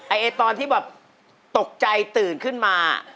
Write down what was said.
ตอนที่แบบตกใจตื่นขึ้นมา